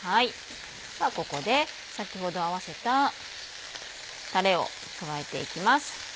ではここで先ほど合わせたタレを加えていきます。